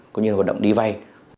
cũng như hoạt động đi vay